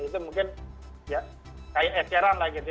itu mungkin ya kayak eceran lah gitu ya